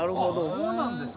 そうなんですか。